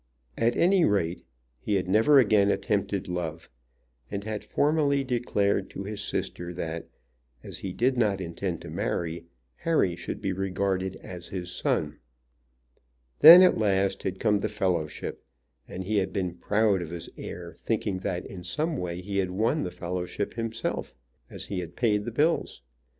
At any rate, he had never again attempted love, and had formally declared to his sister that, as he did not intend to marry, Harry should be regarded as his son. Then at last had come the fellowship, and he had been proud of his heir, thinking that in some way he had won the fellowship himself, as he had paid the bills.